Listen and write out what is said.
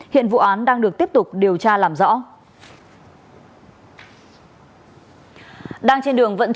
hiện vụ án đang được tiếp tục điều tra làm rõ